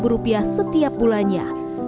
rp lima setiap bulannya